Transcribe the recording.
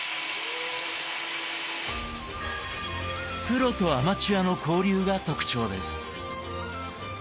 プロとアマチュアの交流が特徴です。